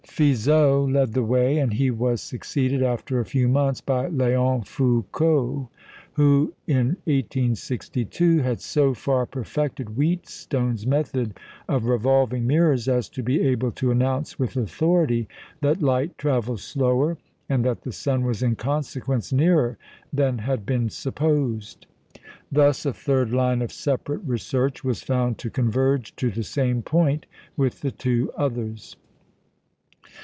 Fizeau led the way, and he was succeeded, after a few months, by Léon Foucault, who, in 1862, had so far perfected Wheatstone's method of revolving mirrors, as to be able to announce with authority that light travelled slower, and that the sun was in consequence nearer than had been supposed. Thus a third line of separate research was found to converge to the same point with the two others.